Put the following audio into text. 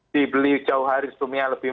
dibeli jauh hari sebelumnya lebih